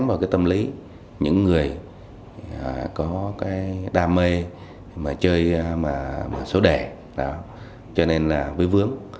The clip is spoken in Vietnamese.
tội phạm nó đánh vào tâm lý những người có đam mê chơi số đề cho nên là vư vướng